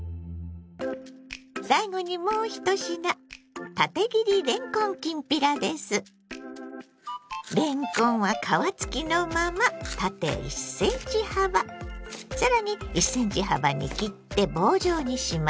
最後にもう１品れんこんは皮付きのまま縦１ｃｍ幅さらに１ｃｍ幅に切って棒状にします。